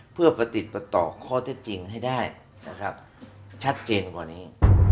เพื่อประติดประต่อข้อเท็จจริงให้ได้นะครับชัดเจนกว่านี้